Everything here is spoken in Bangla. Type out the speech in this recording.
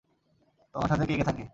তোমার সাথে কে কে থাকে?